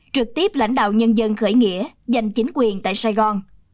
trực tiếp lãnh đạo nhân dân khởi nghĩa giành chính quyền tại sài gòn